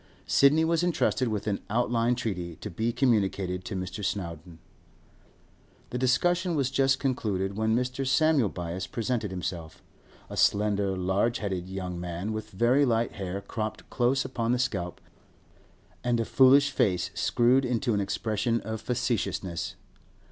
Sidney was entrusted with an outline treaty, to be communicated to Mr. Snowdon. This discussion was just concluded when Mr. Samuel Byass presented himself—a slender, large headed young man, with very light hair cropped close upon the scalp, and a foolish face screwed into an expression of facetiousness.